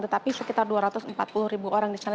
tetapi sekitar dua ratus empat puluh ribu orang di sana